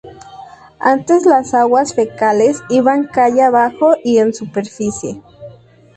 Antes, las aguas fecales iban calle abajo y en superficie.